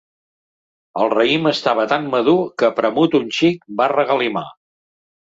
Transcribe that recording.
El raïm estava tan madur que, premut un xic, va regalimar.